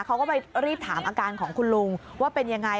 เขาก็ไปรีบถามอาการของคุณลุงว่าเป็นยังไง